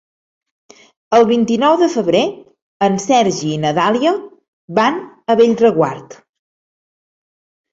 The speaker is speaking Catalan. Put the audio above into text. El vint-i-nou de febrer en Sergi i na Dàlia van a Bellreguard.